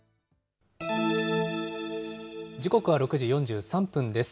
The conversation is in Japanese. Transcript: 時刻は６時４３分です。